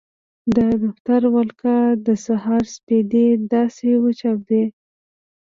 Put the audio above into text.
د دفتر ور لکه د سهار سپېدې داسې وچاوده.